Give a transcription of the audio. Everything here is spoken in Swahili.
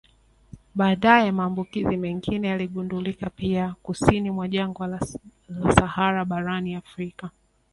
Baadaye maambukizi mengine yaligundulika pia kusini mwa jangwa la Sahara barani Afrika